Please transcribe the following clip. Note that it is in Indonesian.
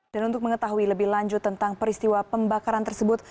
dan untuk mengetahui lebih lanjut tentang peristiwa pembakaran tersebut